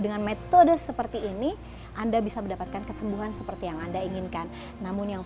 dengan metode seperti ini anda bisa mendapatkan kesembuhan seperti yang anda inginkan namun yang